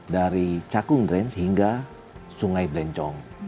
dari cakung range hingga sungai blencong